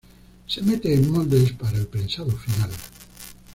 Se mete en moldes para el prensado final.